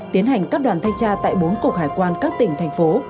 tiến hành các đoàn thanh tra tại bốn cục hải quan các tỉnh thành phố